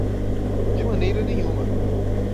De maneira nenhuma